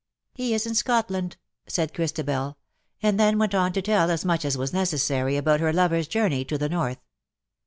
" He is in Scotland/^ said Christabel, and then went on to tell as much as was necessary about her lover's journey to the North.